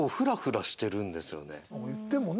言ってるもんね。